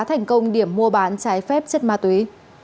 thành công điểm mua bán trái phép chất ma túy